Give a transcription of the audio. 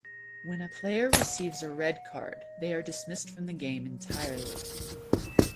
When a player receives a red card, they are dismissed from the game entirely.